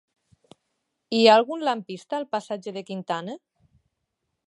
Hi ha algun lampista al passatge de Quintana?